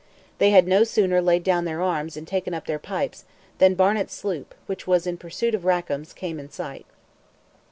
They had no sooner laid down their arms and taken up their pipes, than Barnet's sloop, which was in pursuit of Rackam's, came in sight.